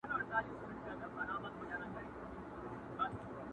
اسمان راڅخه اخلي امتحان څه به کوو؟!!